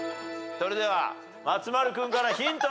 それでは松丸君からヒントです。